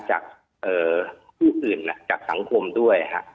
จากผู้อื่นจากสังคมด้วย